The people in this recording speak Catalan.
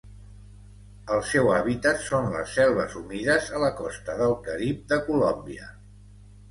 El seu hàbitat són les selves humides a la costa del Carib de Colòmbia.